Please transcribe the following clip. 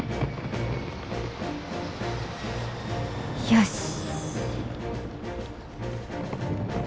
よし。